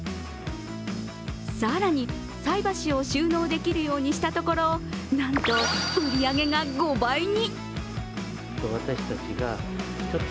更に菜箸を収納できるようにしたところ、なんと売り上げが５倍に。